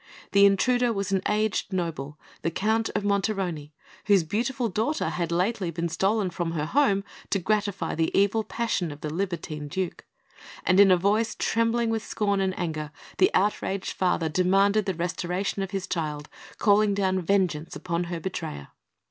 The intruder was an aged noble, the Count of Monterone, whose beautiful daughter had lately been stolen from her home to gratify the evil passion of the libertine Duke; and in a voice trembling with scorn and anger, the outraged father demanded the restoration of his child, calling down vengeance upon her betrayer.